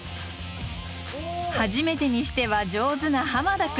初めてにしては上手な濱田君。